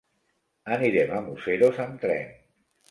Anirem a Museros amb tren.